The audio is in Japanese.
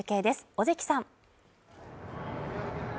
尾関さん。